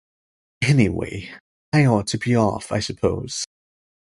Anyway, I ought to be off, I suppose.